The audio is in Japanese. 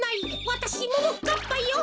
わたしももかっぱよ。